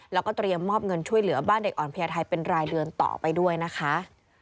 แล้วก็เตรียมมอบเงินช่วยเหลือบ้านเด็กอ่อนพญาไทยเป็นรายเดือนต่อไปด้วยนะคะ